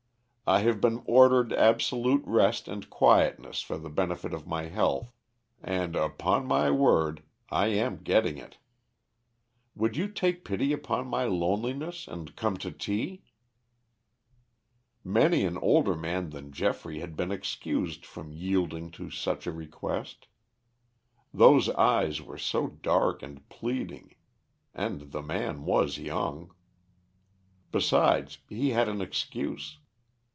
I have been ordered absolute rest and quietness for the benefit of my health and, upon my word, I am getting it. Would you take pity upon my loneliness and come to tea?" Many an older man than Geoffrey had been excused from yielding to such a request. Those eyes were so dark and pleading, and the man was young. Besides, he had an excuse.